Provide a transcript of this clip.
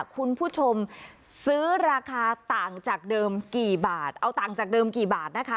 คุณผู้ชมซื้อราคาต่างจากเดิมกี่บาทเอาต่างจากเดิมกี่บาทนะคะ